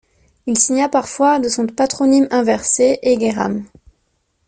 Il signa parfois de son patronyme inversé, Egairam.